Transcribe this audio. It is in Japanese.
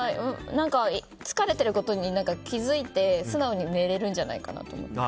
疲れてることに気付いて素直に寝れるんじゃないかなと思って。